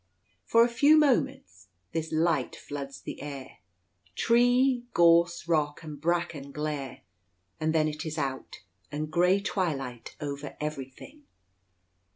For a few moments this light floods the air tree, gorse, rock, and bracken glare; and then it is out, and gray twilight over everything.